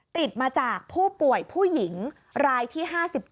ติดมาจากผู้ป่วยผู้หญิงรายที่๕๗